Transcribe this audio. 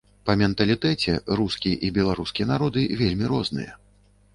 Па менталітэце рускі і беларускі народы вельмі розныя.